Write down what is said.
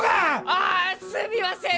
ああすみません！